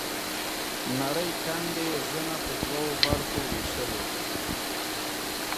نرۍ کندې يې زنه په دوو برخو وېشلې.